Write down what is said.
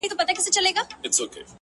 یو څوک دي ووایي چي کوم هوس ته ودرېدم ;